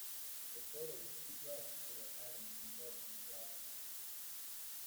The photo was too bright so we're adding some darkening shadows.